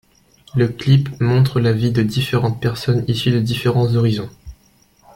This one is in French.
Le clip montre la vie de différentes personnes issus de différents horizons.